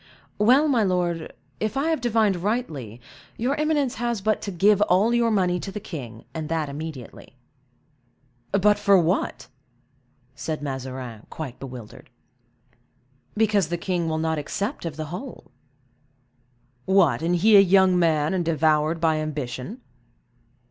"Well, my lord, if I have divined rightly, your eminence has but to give all your money to the king, and that immediately." "But for what?" said Mazarin, quite bewildered. "Because the king will not accept of the whole." "What, and he a young man, and devoured by ambition?"